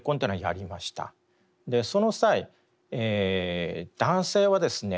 その際男性はですね